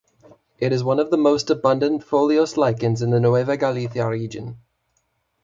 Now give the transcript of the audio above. It is one of the most abundant foliose lichens in the Nueva Galicia region.